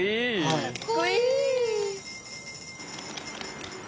かっこいい！